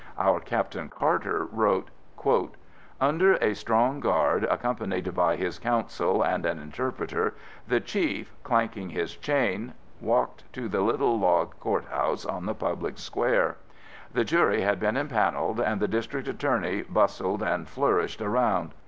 Our Captain Carter wrote: "Under a strong guard accompanied by his counsel and an interpreter, the Chief, clanking his chain, walked to the little log courthouse on the public square. The jury had been impaneled and the District Attorney bustled and flourished around.